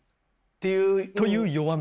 という弱み。